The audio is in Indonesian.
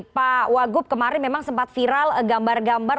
pak wagub kemarin memang sempat viral gambar gambar